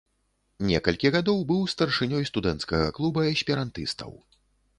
Некалькі гадоў быў старшынёй студэнцкага клуба эсперантыстаў.